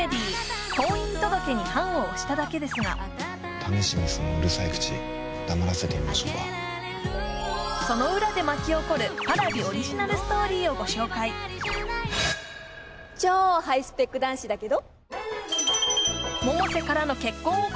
試しにそのうるさい口黙らせてみましょうかその裏で巻き起こるＰａｒａｖｉオリジナルストーリーをご紹介超ハイスペック男子だけど？